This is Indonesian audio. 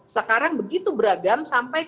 sekarang begitu beragam sampai